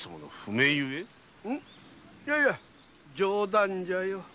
いやいや冗談じゃよ。